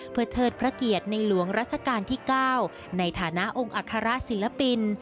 เพื่อเทิดพระเกียรติในหลวงรัชกาลที่๙ในฐานะองค์อัคระศิลปิน